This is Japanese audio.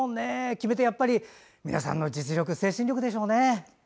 決め手はやっぱり皆さんの実力、精神力でしょうね。